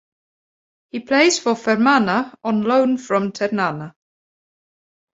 He plays for Fermana on loan from Ternana.